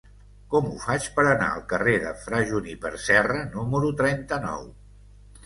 Com ho faig per anar al carrer de Fra Juníper Serra número trenta-nou?